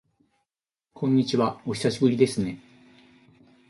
こんにちは、お久しぶりですね。